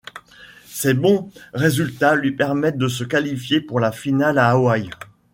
Ces bons résultats lui permettent de se qualifier pour la finale à Hawaï.